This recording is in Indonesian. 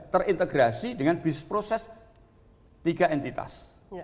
terintegrasi dengan bisnis proses tiga entitas